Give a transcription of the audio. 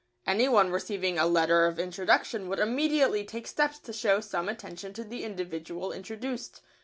Any one receiving a letter of introduction would immediately take steps to show some attention to the individual introduced.